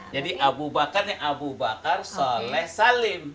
jadi abu bakar ini abu bakar soleh salim